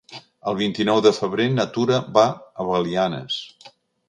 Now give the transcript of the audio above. El vint-i-nou de febrer na Tura va a Belianes.